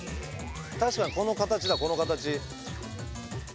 確かにこの形だこの形。